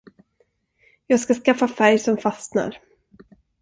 Jag skall skaffa färg som fastnar.